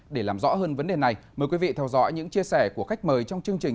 để làm rõ hơn vấn đề này mời quý vị theo dõi những chia sẻ của khách mời trong chương trình